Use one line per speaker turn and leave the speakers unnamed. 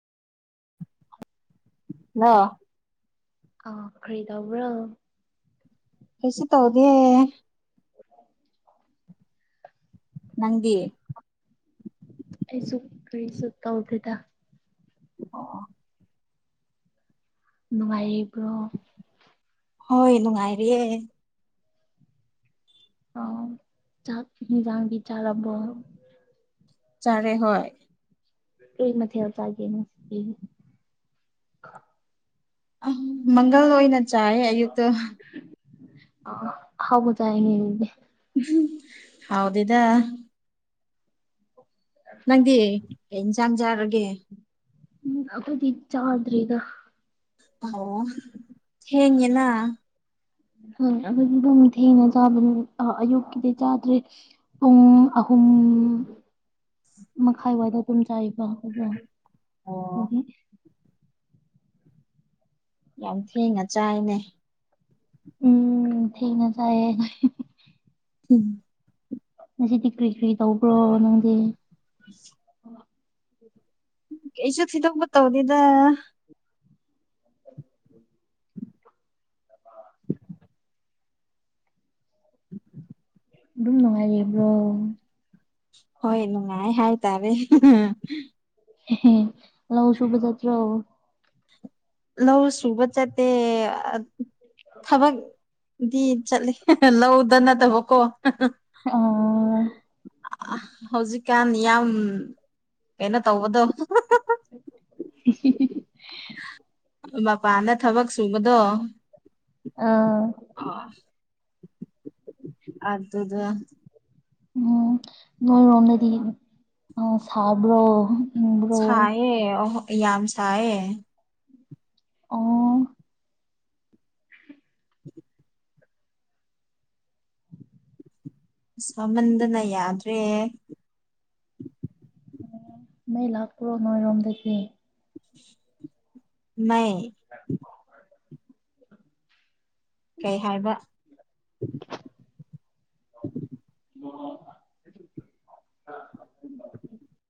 ꯑ
ꯑ ꯈꯔꯤꯗꯕ꯭ꯔꯣ
ꯀꯩꯁ ꯇꯧꯗꯦ ꯅꯗꯤꯤꯦ
ꯑꯩꯁꯨꯔꯤ ꯁ ꯀ ꯎꯗꯗ
ꯑ
ꯅꯨꯡꯉꯥꯏꯔꯤꯕ꯭ꯔꯣ
ꯍꯣꯏ ꯅꯨꯡꯉꯥꯏꯔꯤꯌꯦꯦ
ꯑ ꯆꯥꯛ ꯍꯖꯥꯡꯒꯤ ꯆꯕ
ꯆꯥꯔꯦ ꯍꯣꯏ
ꯀ ꯃꯊ ꯌꯥꯎꯖꯒꯦꯅ
ꯑ ꯃꯪꯒꯜ ꯑꯣꯏꯅ ꯆꯥꯏ ꯑꯌꯨ
ꯑ ꯍꯕꯗꯉꯦ
ꯍꯥꯎꯗꯗ ꯅꯪꯗꯤ ꯀ ꯏꯟꯁꯥꯡ ꯆꯥꯔꯒꯦ
ꯎꯝ ꯑꯗꯤ ꯏ ꯆꯥꯗ꯭ꯔꯔꯤ ꯏꯒ
ꯑꯣ ꯍꯦꯡꯂ
ꯍꯝ ꯑꯗꯨꯗꯤ ꯑꯗꯨꯝ ꯊꯦꯡꯅ ꯆꯥꯕꯅꯤ ꯑꯌꯨꯛꯀꯤꯗꯤ ꯆꯥꯗ꯭ꯔꯦ ꯄꯨꯡ ꯑꯍꯨꯝ ꯃꯈꯥꯏꯋꯥꯏꯗ ꯑꯗꯨꯝ ꯆꯥꯏꯕ ꯑꯗꯨꯒ
ꯑꯣ
ꯑꯣꯒꯤꯦ
ꯌꯥꯝ ꯊꯤꯅ ꯆꯥꯏꯅꯦ
ꯎꯝ ꯊꯦꯡꯅ ꯆꯥꯏꯌꯦ
ꯎꯝ
ꯉꯁꯤꯗꯤ ꯀꯔꯤ ꯀꯔꯤ ꯇꯧꯕ꯭ꯔꯣ ꯅꯪꯗꯤ
ꯎ ꯀꯩꯁꯨ ꯊꯤꯗꯣꯛꯄ ꯇꯧꯗꯦꯗ ꯎꯝ
ꯑꯗꯨꯝ ꯅꯨꯡꯉꯥꯏꯔꯤꯦꯕ꯭ꯔꯣ
ꯍꯣꯏ ꯅꯨꯡꯉꯥꯏ ꯍꯥꯏꯇꯥꯔꯦ
ꯂꯧꯁꯨꯨꯕ ꯆꯠꯇ꯭ꯔ
ꯂꯧ ꯁꯨꯕ ꯆꯠꯇꯦ ꯊꯕꯛ ꯗ ꯆ ꯂꯗꯅꯗ ꯍꯀꯣ
ꯑꯥ
ꯍꯧꯖꯤꯛꯀꯥꯟ ꯌꯥꯝ ꯀꯩꯅꯣ ꯇꯧꯕꯗꯣ
[unintelligible]
ꯃꯄꯥꯅ ꯊꯕꯛ ꯁꯨꯕꯗꯣ
ꯑꯥ
ꯑ ꯑꯗꯗ
ꯎꯝ ꯅꯣꯏꯔꯣꯝꯗꯗꯤ ꯑ ꯁꯥꯕ꯭ꯔꯣ ꯏꯪꯕ꯭ꯔꯣ
ꯁꯥꯏꯌꯦ ꯌꯥꯝ ꯁꯥꯏꯌꯦ
ꯑꯣ
[unintelligible] ꯁꯥꯃꯟꯗꯅ ꯌꯥꯗ꯭ꯔꯦ
ꯃ ꯂꯥꯛꯄꯔꯣ ꯅꯣꯏꯔꯣꯝꯗꯦ
ꯅ ꯀꯩ ꯍꯥꯏꯕ [unintelligible]